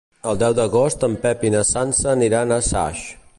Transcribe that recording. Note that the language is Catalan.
El deu d'agost en Pep i na Sança aniran a Saix.